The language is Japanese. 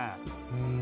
うん。